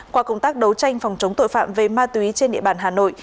qua công tác đấu tranh phòng chống tội phạm về ma túy trên địa bàn hà nội